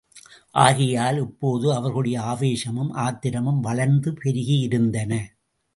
ஆகையால் இப்போது அவர்களுடைய ஆவேசமும் ஆத்திரமும் வளர்ந்து பெருகியிருந்தன.